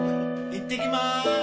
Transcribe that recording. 行ってきまーす！